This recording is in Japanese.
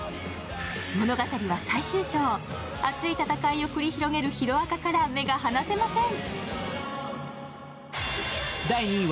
物語は最終章、熱い戦いを繰り広げる「ヒロアカ」から目が離せません。